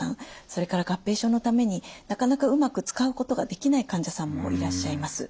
それから合併症のためになかなかうまく使うことができない患者さんもいらっしゃいます。